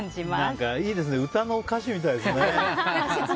何かいいですね歌の歌詞みたいですね。